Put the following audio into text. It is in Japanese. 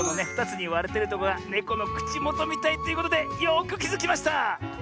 ２つにわれてるとこがネコのくちもとみたいということでよくきづきました！